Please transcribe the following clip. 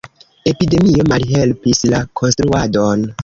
Epidemio malhelpis la konstruadon.